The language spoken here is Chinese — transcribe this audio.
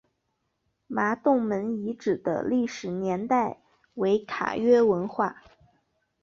麻洞门遗址的历史年代为卡约文化。